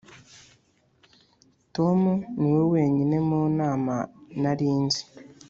tom niwe wenyine mu nama nari nzi.